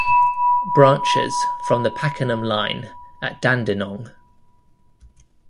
Branches from the Pakenham line at Dandenong.